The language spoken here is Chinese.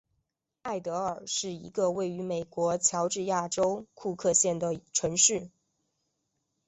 艾得尔是一个位于美国乔治亚州库克县的城市。